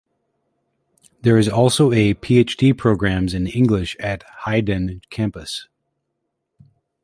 There is also a PhD programs in English at Haidian campus.